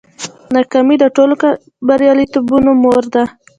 ناکامي د ټولو بریالیتوبونو مور ده.